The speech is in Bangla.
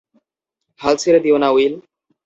হাল ছেড়ে দিও না, উইল।